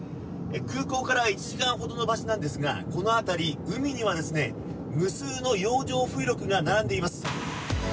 空港から１時間ほどの場所ですがこの辺り、海には無数の洋上風力が並んでいます。